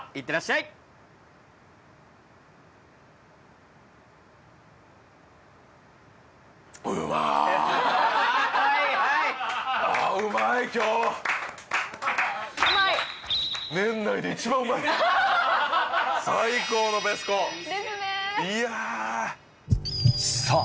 いやさあ